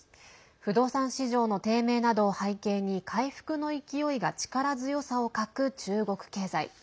不動産市場の低迷などを背景に回復の勢いが力強さを欠く中国経済。